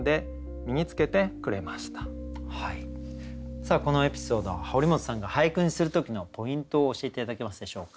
さあこのエピソード堀本さんが俳句にする時のポイントを教えて頂けますでしょうか。